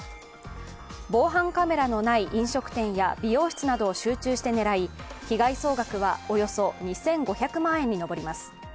防犯カメラのない飲食店や美容室などを集中して狙い被害総額はおよそ２５００万円に上ります。